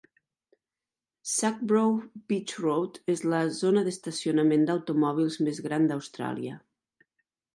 Sacbrough Beach Rd és la zona d'estacionament d'automòbils més gran d'Austràlia.